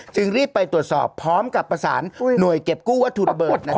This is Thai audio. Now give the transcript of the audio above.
จึงรีบไปตรวจสอบพร้อมกับประสานหน่วยเก็บกู้วัตถุระเบิด